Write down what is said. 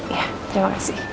iya terima kasih